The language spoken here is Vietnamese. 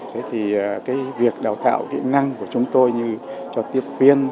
thế thì cái việc đào tạo kỹ năng của chúng tôi như cho tiếp viên